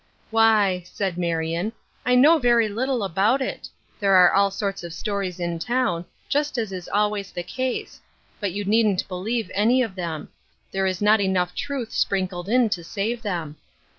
" Why," said Marion, '' I know very little about it. There are all sorts of stories in town, just as is always the case ; but you needn't believe any of them ; there is not enough truth sprinkled in to save them.